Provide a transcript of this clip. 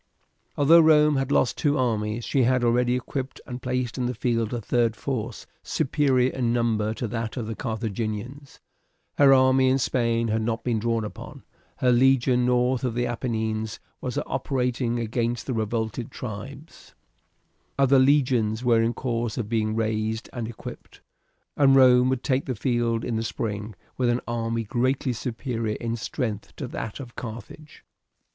Although Rome had lost two armies she had already equipped and placed in the field a third force superior in number to that of the Carthaginians; her army in Spain had not been drawn upon; her legion north of the Apennines was operating against the revolted tribes; other legions were in course of being raised and equipped, and Rome would take the field in the spring with an army greatly superior in strength to that of Carthage.